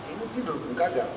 ini tidur pun kagak